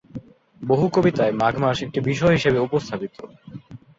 বহু কবিতায় মাঘ মাস একটি বিষয় হিসাবে উপস্থাপিত।